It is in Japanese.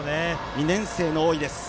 ２年生の大井です。